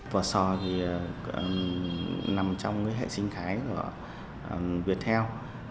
vò sò nằm trong hệ sinh thái của việt theo